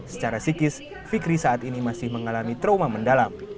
secara sikis fikri saat ini masih mengalami trauma mendalam